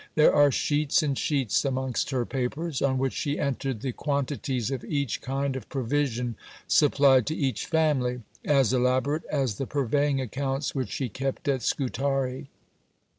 There are sheets and sheets amongst her papers, on which she entered the quantities of each kind of provision supplied to each family, as elaborate as the purveying accounts which she kept at Scutari.